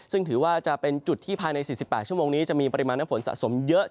ซึ่งถือว่าจะเป็นจุดที่ภายใน๔๘ชั่วโมงนี้จะมีปริมาณน้ำฝนสะสมเยอะ